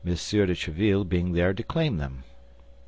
de Tréville being there to claim them.